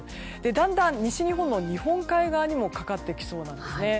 だんだん西日本の日本海側にもかかってきそうです。